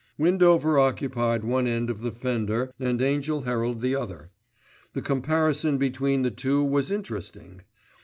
Windover occupied one end of the fender and Angell Herald the other. The comparison between the two was interesting.